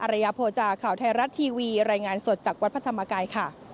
ระยะโภจาข่าวไทยรัฐทีวีรายงานสดจากวัดพระธรรมกายค่ะ